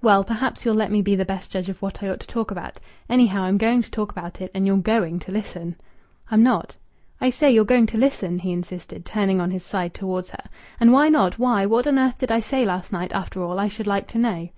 "Well, perhaps you'll let me be the best judge of what I ought to talk about. Anyhow, I'm going to talk about it, and you're going to listen." "I'm not." "I say you're going to listen," he insisted, turning on his side towards her. "And why not? Why, what on earth did I say last night, after all, I should like to know?"